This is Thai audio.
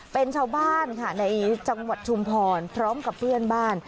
เป็นชาวบ้านค่ะในจังหวัดชุมพรพร้อมกับเพื่อนบ้าน